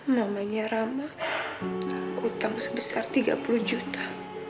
namanya rama utang sebesar tiga puluh juta